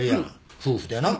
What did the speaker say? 夫婦でな。